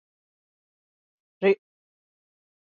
Richard Lyman is the current town supervisor.